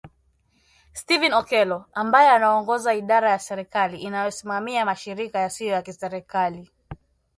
Stephen Okello, ambaye anaongoza idara ya serikali inayosimamia mashirika yasiyo ya kiserikali